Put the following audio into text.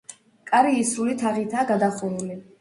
კარი ისრული თაღითაა გადახურული.